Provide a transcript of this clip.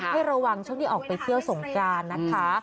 ให้ระวังช่วงที่ออกไปเที่ยวสงการนะคะ